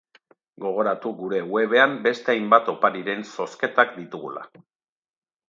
Gogoratu gure webean beste hainbat opariren zozketak ditugula.